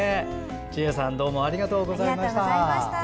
智江さんどうもありがとうございました。